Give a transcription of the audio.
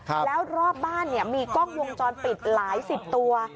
แล้วรอบบ้านเนี่ยมีกล้องวงจรปิดหลายสิบตัว